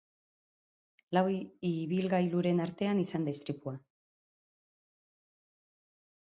Lau ibilgailuren artean izan da istripua.